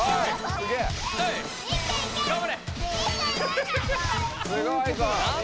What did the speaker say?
すごいぞ！